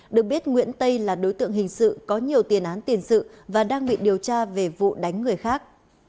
được biết nguyễn tây là đối tượng hình sự có nhiều tiền án tiền sự và đang bị điều tra về vụ đánh người khác